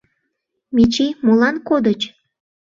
Мичий, молан кодыч?